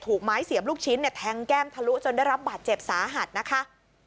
ไม้เสียบลูกชิ้นเนี่ยแทงแก้มทะลุจนได้รับบาดเจ็บสาหัสนะคะ